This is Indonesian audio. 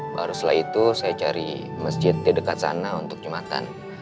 baru setelah itu saya cari masjid di dekat sana untuk jumatan